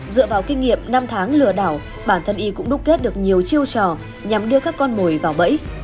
dựa vào kinh nghiệm năm tháng lừa đảo bản thân y cũng đúc kết được nhiều chiêu trò nhằm đưa các con mồi vào bẫy